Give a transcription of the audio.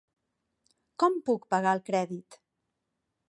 Com puc pagar el crèdit?